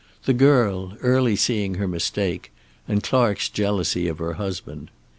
The girl, early seeing her mistake, and Clark's jealousy of her husband.